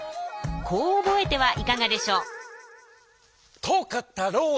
こう覚えてはいかがでしょう？